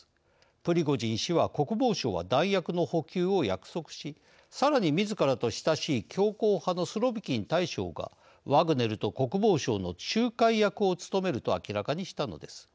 プリゴジン氏は国防省は弾薬の補給を約束しさらにみずからと親しい強硬派のスロビキン大将がワグネルと国防省の仲介役を務めると明らかにしたのです。